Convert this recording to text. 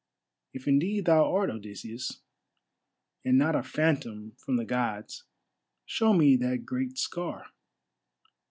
If indeed thou art Odysseus, and not a phantom from the Gods, show me that great scar."